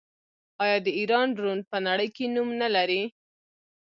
آیا د ایران ډرون په نړۍ کې نوم نلري؟